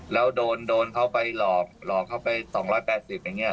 แล้วโดนเขาไปหลอกหลอกเขาไป๒๘๐อย่างนี้